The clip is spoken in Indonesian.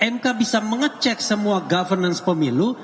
mk bisa mengecek semua governance pemilu